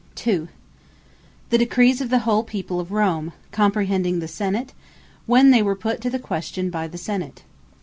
2. The Decrees Of The Whole People Of Rome (comprehending the Senate,) when they were put to the Question by the Senate.